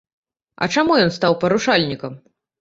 А чаму ён стаў парушальнікам?